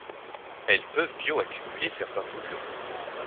Elles peuvent bioaccumuler certains polluants.